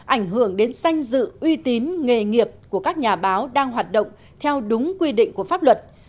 ảnh hưởng đến sanh dự uy tín nghề nghiệp của các nhà báo đang hoạt động theo đúng quy định của pháp luật